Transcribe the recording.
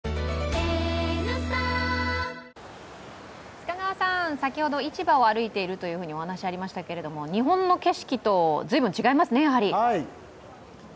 須賀川さん、先ほど市場を歩いているとお話がありましたけれども、日本の景色と、ずいぶん違いますねやはり。